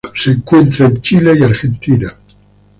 Se encuentra en Chile y Argentina.